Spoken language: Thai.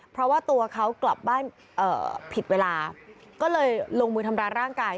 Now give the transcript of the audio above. เพราะว่าตัวเขากลับบ้านผิดเวลาก็เลยลงมือทำร้ายร่างกาย